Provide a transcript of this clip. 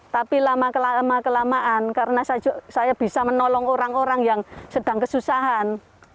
tapi lama kelamaan karena saya bisa menolong orang orang yang sedang kesusahan